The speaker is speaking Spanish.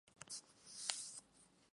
Es especialista en la familia Cyperaceae.